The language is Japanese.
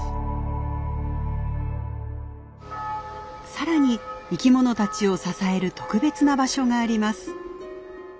さらに生き物たちを支える特別な場所があります。